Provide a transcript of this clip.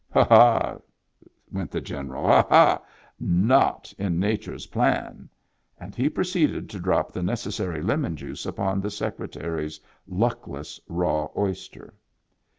" Ha, ha !" went the General. " Ha, ha ! Not in Nature's plan !" And he proceeded to drop the necessary lemon juice upon the Secretary's luckless raw oyster.